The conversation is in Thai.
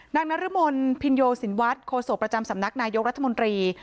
นรมนพินโยสินวัฒน์โฆษกประจำสำนักนายกรัฐมนตรี